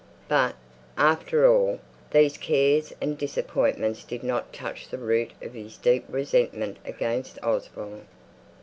But, after all, these cares and disappointments did not touch the root of his deep resentment against Osborne.